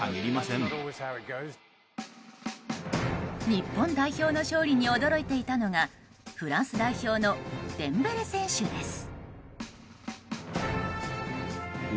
日本代表の勝利に驚いていたのがフランス代表のデンベレ選手です。